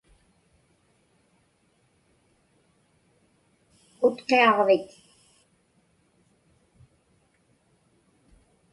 Utqiaġvik